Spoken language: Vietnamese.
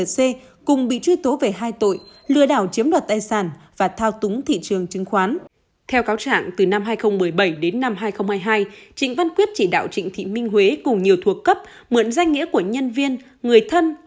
xin chào và hẹn gặp lại